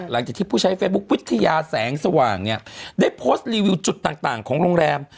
หลังจากที่ผู้ใช้เฟซบุ๊ควิทยาแสงสว่างเนี่ยได้โพสต์รีวิวจุดต่างของโรงแรม